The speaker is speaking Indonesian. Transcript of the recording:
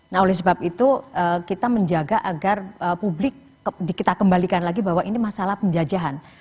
nah oleh sebab itu kita menjaga agar publik kita kembalikan lagi bahwa ini masalah penjajahan